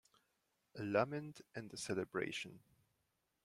A lament and a celebration.